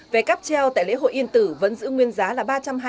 về cắp treo tại lễ hội yên tử vẫn giữ nguyên giá là ba trăm hai mươi